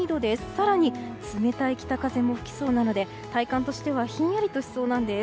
更に冷たい北風も吹きそうなので体感としてはひんやりとしそうなんです。